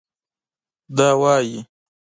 دا وايي